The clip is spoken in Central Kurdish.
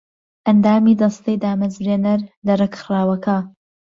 ئەندامی دەستەی دامەزرێنەر لە ڕێکخراوەکە